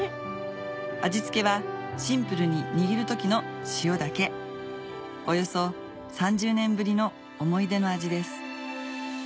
味付けはシンプルに握る時の塩だけおよそ３０年ぶりの思い出の味です